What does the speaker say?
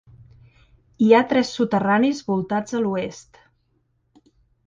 Hi ha tres soterranis voltats a l'oest.